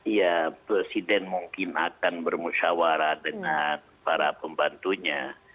ya presiden mungkin akan bermusyawara dengan para pembantunya